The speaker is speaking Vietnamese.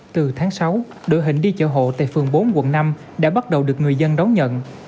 từ tháng sáu đội hình đi chợ hộ tại phường bốn quận năm đã bắt đầu được người dân đón nhận